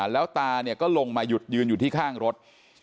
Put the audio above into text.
แล้วตาเนี่ยก็ลงมาหยุดยืนอยู่ที่ข้างรถ